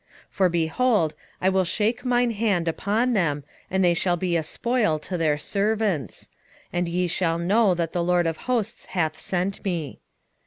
2:9 For, behold, I will shake mine hand upon them, and they shall be a spoil to their servants: and ye shall know that the LORD of hosts hath sent me.